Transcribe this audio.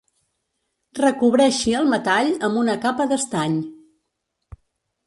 Recobreixi el metall amb una capa d'estany.